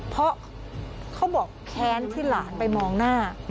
เพราะเขาบอกแค้นที่หลานไปมองหน้า